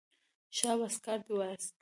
شاباس کار دې وایست.